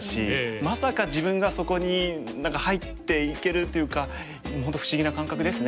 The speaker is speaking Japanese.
まさか自分がそこに何か入っていけるというかもう本当不思議な感覚ですね。